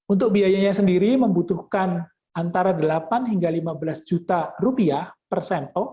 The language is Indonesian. untuk biayanya sendiri membutuhkan antara delapan hingga lima belas juta rupiah per sampel